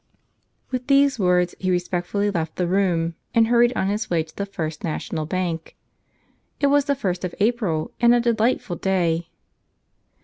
With these words he respectfully left the room and hurried on his way to the First National Bank. It was the first of April and a delightful day.